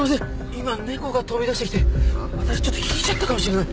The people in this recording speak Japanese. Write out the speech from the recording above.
今猫が飛び出してきて私ひいちゃったかもしれない。